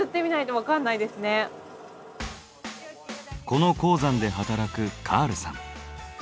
この鉱山で働くカールさん。